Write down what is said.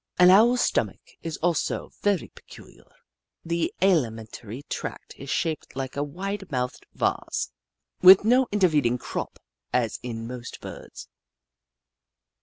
An Owl's stomach is also very peculiar. The alimentary tract is shaped like a wide mouthed vase, with no intervening crop, as in most Birds.